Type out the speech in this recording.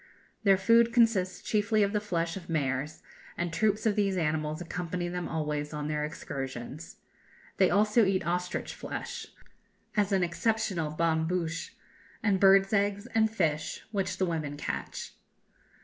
Their food consists chiefly of the flesh of mares, and troops of these animals accompany them always on their excursions. They also eat ostrich flesh, as an exceptional bonne bouche, and birds' eggs, and fish, which the women catch.